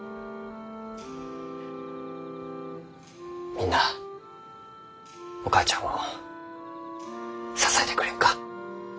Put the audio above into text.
みんなあお母ちゃんを支えてくれんか？